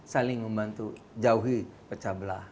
saling membantu jauhi pecah belah